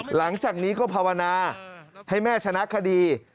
หลังจากนี้ก็ภาวนาให้แม่ชนะคดี